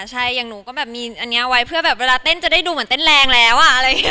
ใช่อย่างนู้นก็มีอันนี้เอาไว้เพื่อเวลาเท่นจะได้ดูเหมือนเท่นแรงแล้วอะ